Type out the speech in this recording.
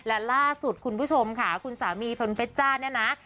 และล่าสุดคุณผู้ชมค่ะคุณสามีเพลินเพชรจ้าเนี่ยนะ